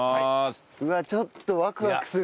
うわっちょっとワクワクする。